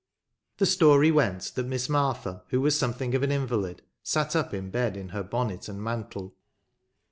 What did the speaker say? The story went that Miss Martha, who was something of an invalid, sat up in bed in her bonnet and mantle.